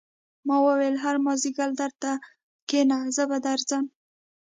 ما وویل هر مازدیګر دلته کېنه زه به درځم